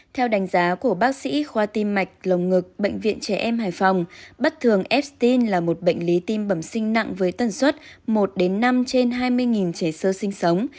theo đánh giá của bác sĩ khoa tim mạch lồng ngực bệnh viện trẻ em hải phòng bất thường estin là một bệnh lý tim bẩm sinh nặng với tần suất một năm trên hai mươi trẻ sơ sinh sống